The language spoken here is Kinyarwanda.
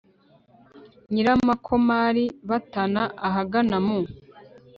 nyiramakomali batana ahagana mu